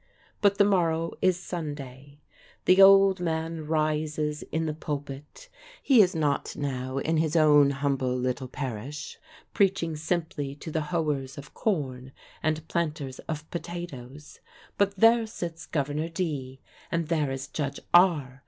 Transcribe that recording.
But the morrow is Sunday. The old man rises in the pulpit. He is not now in his own humble little parish, preaching simply to the hoers of corn and planters of potatoes, but there sits Governor D., and there is Judge R.